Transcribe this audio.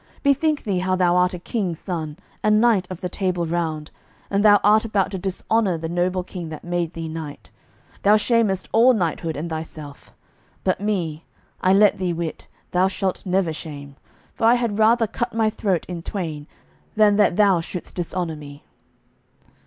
Bethink thee how thou art a king's son, and knight of the Table Round, and thou art about to dishonour the noble king that made thee knight; thou shamest all knighthood and thyself; but me, I let thee wit, thou shalt never shame, for I had rather cut my throat in twain than that thou shouldst dishonour me."